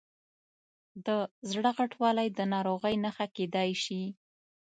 د زړه غټوالی د ناروغۍ نښه کېدای شي.